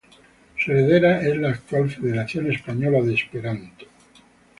Su heredera es la actual Federación Española de Esperanto.